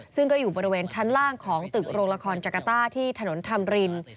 ซึ่งก็อยู่บริเวณชั้นล่างของตึกโรงละครจักรต้าที่ถนนธรรมริน